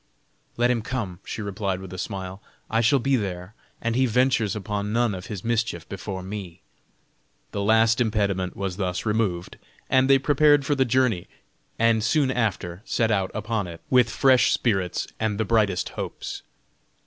"Let him come," she replied with a smile, "I shall be there, and he ventures upon none of his mischief before me." The last impediment was thus removed; they prepared for the journey, and soon after set out upon it with fresh spirits and the brightest hopes.